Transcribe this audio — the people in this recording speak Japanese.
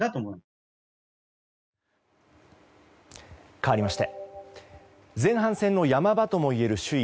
かわりまして前半戦の山場ともいえる首位